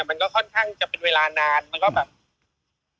มันก็ค่อนข้างจะเป็นเวลานานมันก็แบบ